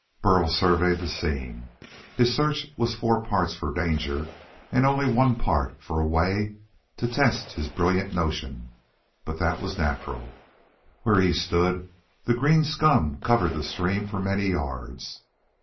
Burl surveyed the scene. His search was four parts for danger and only one part for a way to test his brilliant notion, but that was natural. Where he stood, the green scum covered the stream for many yards.